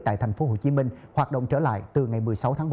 tại thành phố hồ chí minh hoạt động trở lại từ ngày một mươi sáu tháng một